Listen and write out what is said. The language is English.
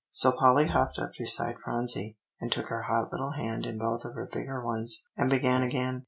So Polly hopped up beside Phronsie, and took her hot little hand in both of her bigger ones, and began again.